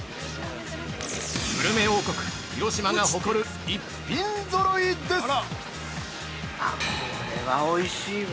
グルメ王国・広島が誇る逸品ぞろいです。